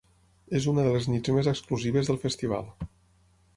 És una de les nits més exclusives del festival.